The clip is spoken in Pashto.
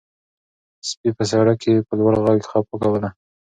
سپي په سړک کې په لوړ غږ غپا کوله.